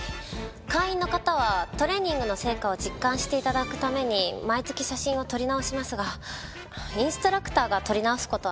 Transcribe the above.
会員の方はトレーニングの成果を実感して頂くために毎月写真を撮り直しますがインストラクターが撮り直す事はないです。